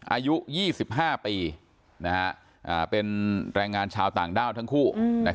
อายุ๒๕ปีเป็นแรงงานชาวต่างด้าวทั้งคู่